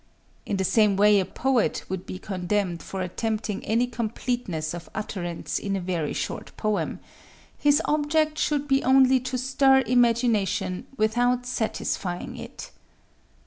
In the same way a poet would be condemned for attempting any completeness of utterance in a very short poem: his object should be only to stir imagination without satisfying it.